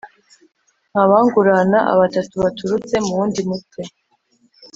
Nta wangurana abatatu baturutse mu wundi mutwe,